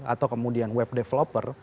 atau kemudian web developer